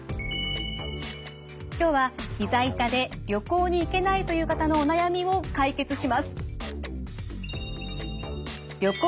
今日はひざ痛で旅行に行けないという方のお悩みを解決します。